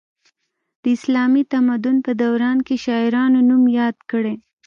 د اسلامي تمدن په دوران کې شاعرانو نوم یاد کړی.